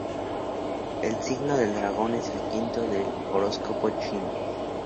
El signo del Dragón es el quinto del horóscopo chino.